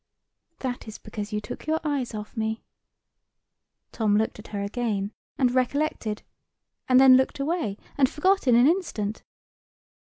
"That is because you took your eyes off me." Tom looked at her again, and recollected; and then looked away, and forgot in an instant.